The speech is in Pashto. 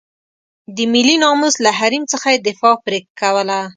د ملي ناموس له حریم څخه یې دفاع پرې کوله.